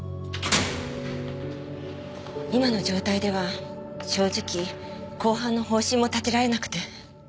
今の状態では正直公判の方針も立てられなくて。